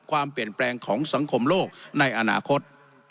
ความเปลี่ยนแปลงของสังคมโลกในอนาคต